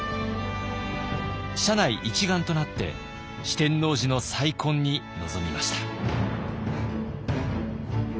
社内一丸となって四天王寺の再建に臨みました。